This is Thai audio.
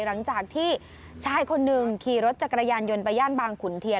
หลังจากที่ชายคนหนึ่งขี่รถจักรยานยนต์ไปย่านบางขุนเทียน